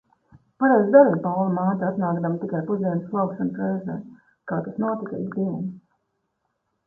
Pareizi darīja Paula māte atnākdama tikai pusdienas slaukšanas reizē, kā tas notika ik dienas.